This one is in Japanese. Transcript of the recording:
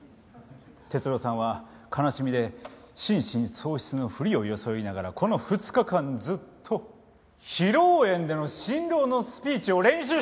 哲郎さんは悲しみで心神喪失のふりを装いながらこの２日間ずっと披露宴での新郎のスピーチを練習してたんです！